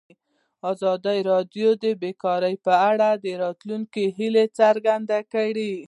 ازادي راډیو د بیکاري په اړه د راتلونکي هیلې څرګندې کړې.